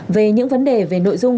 về những vấn đề về nội dung